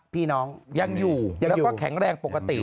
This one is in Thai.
พี่น้องยังอยู่แล้วก็แข็งแรงปกติ